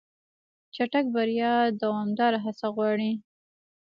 چټک بریا دوامداره هڅه غواړي.